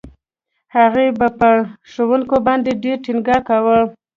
هغې به په ښوونکو باندې ډېر ټينګار کاوه.